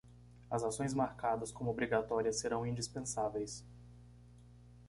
As ações marcadas como obrigatórias serão indispensáveis.